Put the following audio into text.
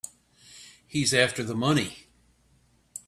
He's after the money.